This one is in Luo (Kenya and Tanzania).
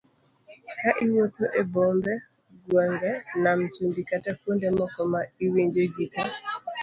Ka iwuotho e bombe, gwenge, nam chumbi kata kuonde moko ma iwinjo ji ka